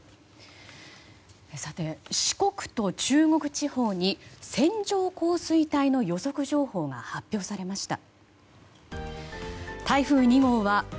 四国と中国地方に線状降水帯の予測情報が発表されました。